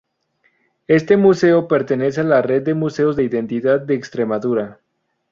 Este museo pertenece a la red de Museos de Identidad de Extremadura.